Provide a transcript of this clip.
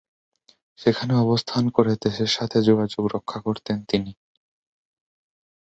সেখানে অবস্থান করে দেশের সাথে যোগাযোগ রক্ষা করতেন তিনি।